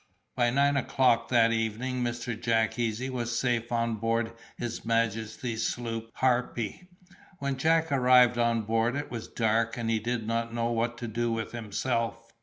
By nine o'clock that evening Mr. Jack Easy was safe on board his majesty's sloop Harpy. When Jack arrived on board it was dark, and he did not know what to do with himself.